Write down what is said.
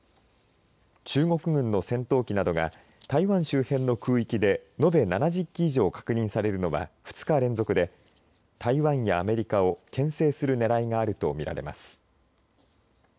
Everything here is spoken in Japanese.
中国軍の戦闘機などが台湾周辺の空域で延べ７０機以上確認されるのは２日連続で台湾やアメリカをけん制するねらいがあると見られます。